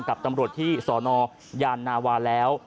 กับตำรวจที่สนยานนาวาแล้ว